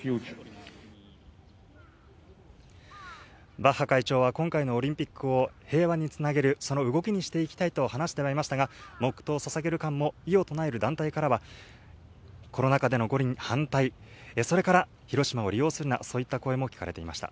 バッハ会長は、今回のオリンピックを平和につなげる、その動きにしていきたいと話してはいましたが、黙とうをささげる間も異を唱える団体からは、コロナ禍での五輪反対、それから、広島を利用するな、そういった声も聞かれていました。